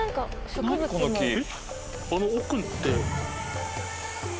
あの奥って。